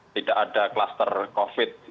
tidak ada kluster covid sembilan belas